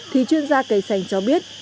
thì chuyên gia cây xanh cho biết